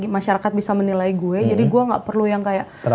masyarakat bisa menilai gue jadi gue gak perlu yang kayak